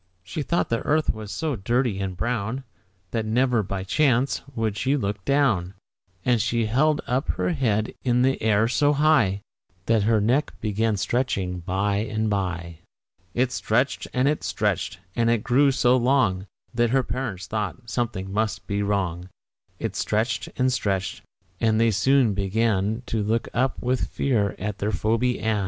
She thought the earth was so dirty and brown, That never, by chance, would she look down; And she held up her head in the air so high That her neck began stretching by and by. It stretched and it stretched; and it grew so long That her parents thought something must be wrong. It stretched and stretched, and they soon began To look up with fear at their Phoebe Ann.